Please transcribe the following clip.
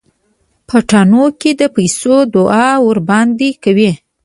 په تاڼو کې د پيسو دعوه ورباندې کوي.